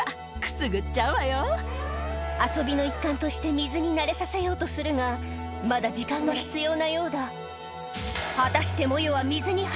遊びの一環として水に慣れさせようとするがまだ時間が必要なようだモヨは一方こちらは